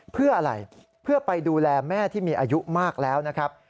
เพื่ออะไรเพื่อไปดูแลแม่ที่มีอายุมากแล้วนะครับ